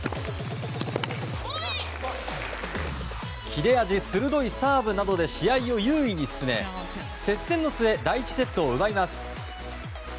切れ味鋭いサーブなどで試合を優位に進め接戦の末第１セットを奪います。